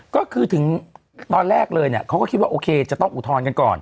ก็คือถึงตอนแรกเลยเนี่ยเขาก็คิดว่าโอเคจะต้องอุทธรณ์กันก่อน